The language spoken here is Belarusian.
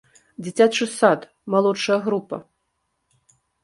Дзіцячы сад, малодшая група!